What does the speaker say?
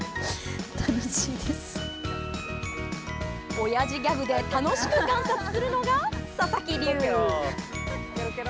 おやじギャグで楽しく観察するのが佐々木流！